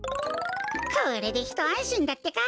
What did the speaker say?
これでひとあんしんだってか。